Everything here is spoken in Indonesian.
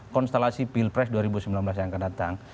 konstelasi pilpres dua ribu sembilan belas yang akan datang